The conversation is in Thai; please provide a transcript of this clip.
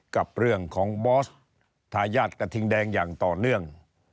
กับเรื่องของบอสทายาทกระทิงแดงอย่างต่อเนื่อง